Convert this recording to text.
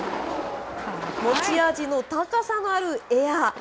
持ち味の高さのあるエア。